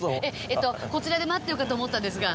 えっとこちらで待ってようかと思ったんですが。